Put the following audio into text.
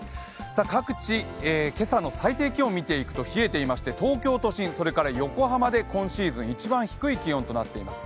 各地、今朝の最低気温を見ていくと冷えていまして、東京都心、横浜で今シーズン１番低い気温となっています。